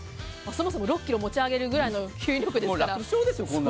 そもそも６ｋｇ持ち上げるぐらいの吸引力ですから。